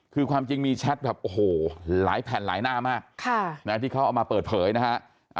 คือความจริงมีแชทแบบโอ้โหหลายแผ่นหลายหน้ามากที่เขาเอามาเปิดเผยนะฮะ